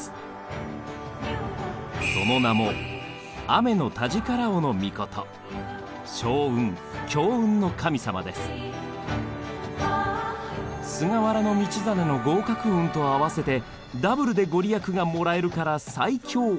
その名も「菅原道真の合格運とあわせてダブルでご利益がもらえるから最強」。